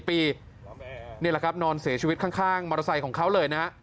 นี่แหละครับนอนเสียชีวิตข้างมอเตอร์ไซค์ของเขาเลยนะฮะ